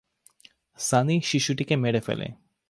সানি শিশুটিকে মেরে ফেলে।